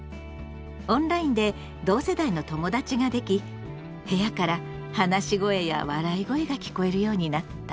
オンラインで同世代の友だちができ部屋から話し声や笑い声が聞こえるようになった。